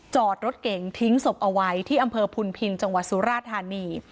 จอดรถเก๋งทิ้งศพเอาไว้ที่อำเภอพุนพินจังหวัดสุราธานี